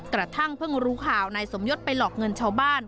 กระทั่งเพิ่งรู้ข่าวนายสมยศไปหลอกเงินชาวบ้าน